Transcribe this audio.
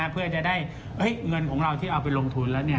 เพื่อจะได้เงินของเราที่เอาไปลงทุนแล้ว